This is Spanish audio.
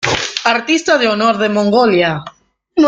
Artista de Honor de Mongolia.